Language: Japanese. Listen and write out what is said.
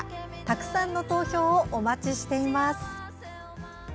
たくさんの投票お待ちしています。